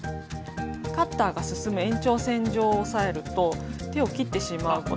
カッターが進む延長線上を押さえると手を切ってしまうことがあるので。